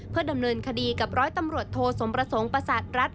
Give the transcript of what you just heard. ดำเนินคดีกับร้อยตำรวจโทสมประสงค์ประสาทรัฐ